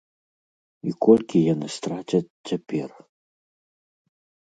І колькі яны страцяць цяпер?